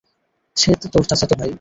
সে তোর চাচাতো ভাই।